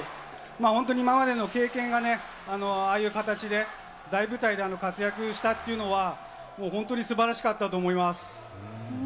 本当に今までの経験がね、ああいう形で、大舞台で活躍したっていうのは、本当にすばらしかったと思います。